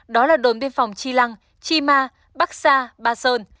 đó là đồn biên phòng chi lăng chi ma bắc sa ba sơn